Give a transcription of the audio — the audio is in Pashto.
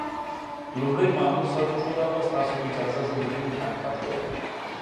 لومړي مامور سر وښوراوه: ستاسو په اجازه، زه د دې مخالفت کوم.